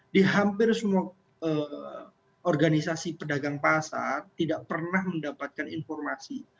di hampir semua organisasi pedagang pasar tidak pernah mendapatkan informasi